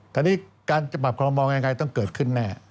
ตอนนี้การจะปรับคอลโมยังไงต้องเกิดขึ้นแน่